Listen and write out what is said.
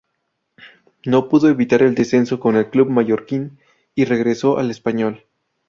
No pudo evitar el descenso con el club mallorquín, y regresó al Español.